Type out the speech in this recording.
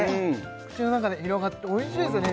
口の中で広がっておいしいですよね